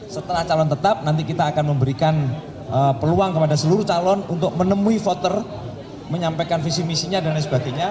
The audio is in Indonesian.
setelah calon tetap nanti kita akan memberikan peluang kepada seluruh calon untuk menemui voter menyampaikan visi misinya dan lain sebagainya